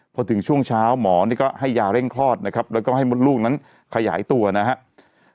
พอถึงช่วงเช้าหมอนี่ก็ให้ยาเร่งคลอดนะครับแล้วก็ให้มดลูกนั้นขยายตัวนะครับ